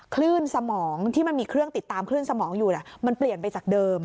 คลื่นสมองที่มันมีเครื่องติดตามคลื่นสมองอยู่มันเปลี่ยนไปจากเดิม